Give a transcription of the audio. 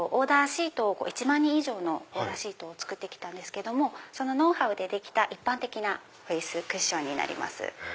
１万人以上のオーダーシートを作って来たんですけどもそのノウハウでできた一般的なお椅子クッションになります。